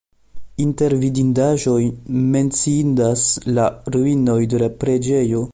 Inter vidindaĵoj menciindas la ruinoj de la preĝejo.